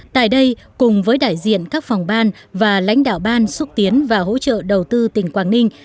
tại đây cùng với đại diện các phòng ban và lãnh đạo ban xúc tiến và hỗ trợ đầu tư tỉnh quảng ninh